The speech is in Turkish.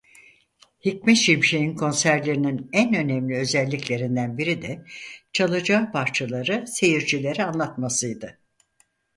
Hikmet Şimşek'in konserlerinin en önemli özelliklerinden biri de çalacağı parçaları seyircilere anlatmasıydı.